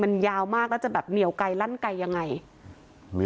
มันมันจะเงียวไกลลั้นไกลยังไง